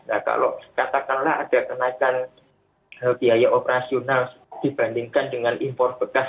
nah kalau katakanlah ada kenaikan biaya operasional dibandingkan dengan impor bekas